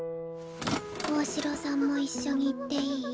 大城さんも一緒に行っていい？